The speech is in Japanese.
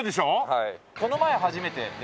はい。